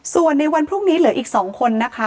ส่วนในวันพรุ่งนี้เหลืออีก๒คนนะคะ